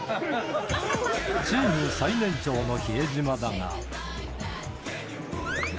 チーム最年長の比江島だが。